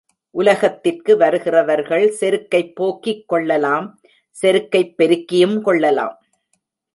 உலகத்திற்கு வருகிறவர்கள் செருக்கைப் போக்கிக் கொள்ளலாம் செருக்கைப் பெருக்கியும் கொள்ளலாம்.